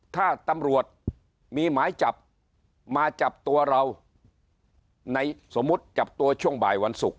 ถ้าตำรวจมีหมายจับมาจับตัวเราในสมมุติจับตัวช่วงบ่ายวันศุกร์